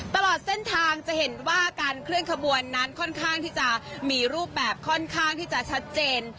ตลอดเส้นทางจะเห็นว่าการเคลื่อนขบวนนั้นค่อนข้างที่จะมีรูปแบบค่อนข้างที่จะชัดเจน